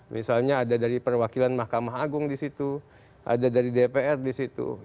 misalnya ada dari perwakilan mahkamah agung di situ ada dari dpr di situ